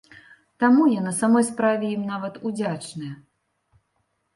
Таму я на самой справе ім нават удзячная.